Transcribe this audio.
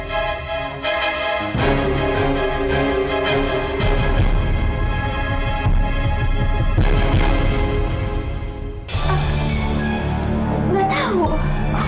aku tidak tahu